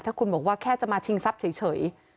ถ้าคุณบอกว่าแค่จะมาชิงทรัพย์เฉย